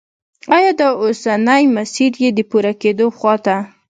آیا دا اوسنی مسیر یې د پوره کېدو خواته